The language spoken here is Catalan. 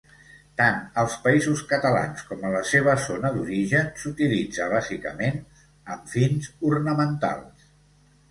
Tant als països catalans com a la seva zona d'origen s'utilitza, bàsicament, amb fins ornamentals.